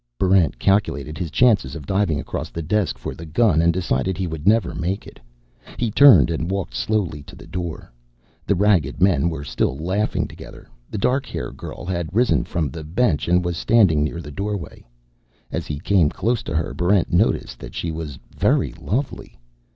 Barrent calculated his chances of diving across the desk for the gun, and decided he would never make it. He turned and walked slowly to the door. The ragged men were still laughing together. The dark haired girl had risen from the bench and was standing near the doorway. As he came close to her, Barrent noticed that she was very lovely.